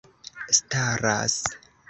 staras